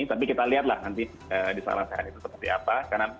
tapi kita lihatlah nanti di sarang saya itu seperti apa